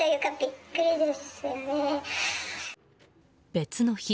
別の日。